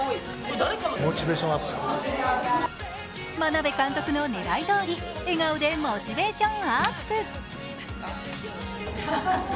眞鍋監督の狙いどおり笑顔でモチベーションアップ。